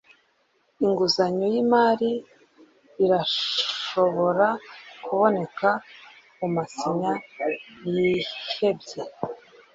inguzanyo yimari irashobora kuboneka kumasinya yihebye